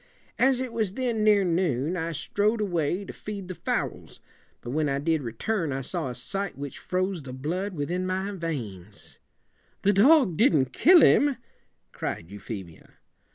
As it was then near noon, I strode away to feed the fowls; but when I did return I saw a sight which froze the blood with in my veins '" "The dog didn't kill him?" cried Euphemia.